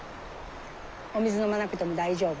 お水飲まなくても大丈夫。